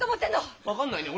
分かんないね。